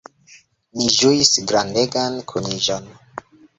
Ni ĝuis grandegan kuniĝon.